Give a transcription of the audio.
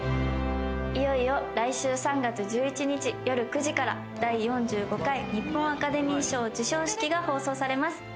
いよいよ来週３月１１日夜９時から第４５回日本アカデミー賞授賞式が放送されます。